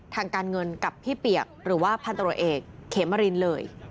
ทางการเงินกับพี่เปียกหรือว่าพันตรวจเอกเขมรินเลย